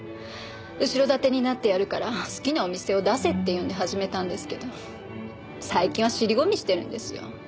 後ろ盾になってやるから好きなお店を出せって言うんで始めたんですけど最近は尻込みしてるんですよ。